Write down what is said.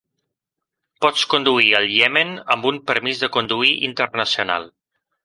Pots conduir al Iemen amb un permís de conduir internacional.